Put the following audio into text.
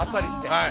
はい。